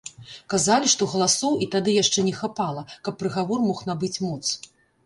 Казалі, што галасоў і тады яшчэ не хапала, каб прыгавор мог набыць моц.